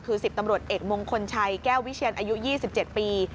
คือ๑๐ตำรวจเอกมงคลชัยแก้ววิเชียนอายุ๒๗ปี